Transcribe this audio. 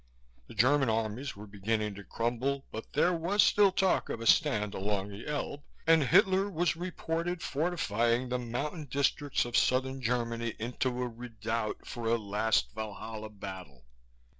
The German Armies were beginning to crumble but there was still talk of a stand along the Elbe and Hitler was reported fortifying the mountain districts of Southern Germany into a redoubt for a last Valhalla Battle.